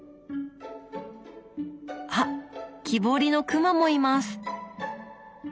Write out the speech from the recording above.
あっ木彫りの熊もいます！